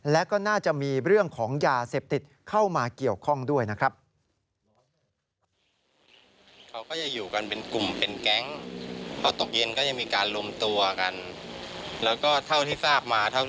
และก็น่าจะมีเรื่องของยาเสพติดเข้ามาเกี่ยวข้องด้วยนะครับ